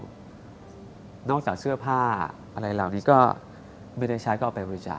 นอกจากเสื้อผ้าอะไรเหล่านี้ก็ไม่ได้ใช้ก็เอาไปบริจาค